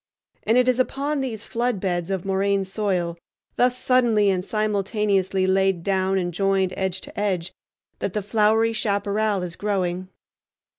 And it is upon these flood beds of moraine soil, thus suddenly and simultaneously laid down and joined edge to edge, that the flowery chaparral is growing.